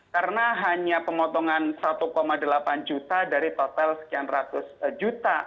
karena hanya pemotongan satu delapan juta dari total sekian ratus juta